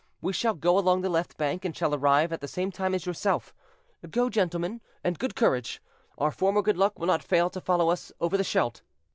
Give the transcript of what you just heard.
We shall go along the left bank, and shall arrive at the same time as yourself. Go, gentlemen, and good courage; our former good luck will not fail to follow us over the Scheldt."